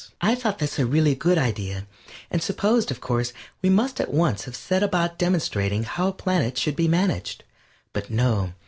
I thought this a really good idea, and supposed, of course, we must at once have set about demonstrating how a planet should be managed. But no!